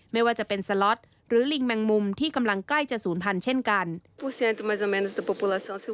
ไม่ว่าจะเป็นสล็อตหรือลิงแมงมุมที่กำลังใกล้จะสูญพันธุ์การลงให้อยู่